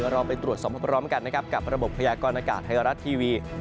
เราไปตรวจสอบพร้อมกันนะครับกับระบบพยากรณากาศไทยรัฐทีวี